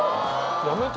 やめてよ